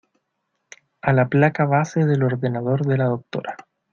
a la placa base del ordenador de la doctora.